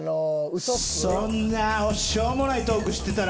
そんなしょうもないトークしてたら